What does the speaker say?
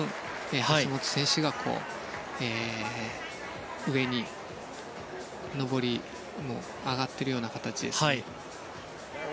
橋本選手が上に上がっているような形です。